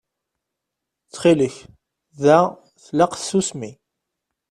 Ttxil-k da tlaq tsusmi.